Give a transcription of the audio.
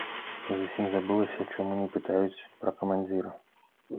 І зусім забылася, чаму не пытаюць пра камандзіра.